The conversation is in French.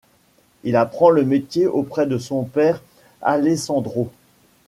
Il apprend le métier auprès de son père Alessandro.